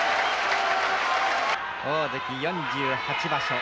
大関４８場所。